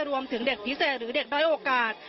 รวมถึงเด็กพิเศษหรือเด็กด้อยโอกาส